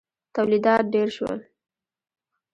تولیدات ډېر شول.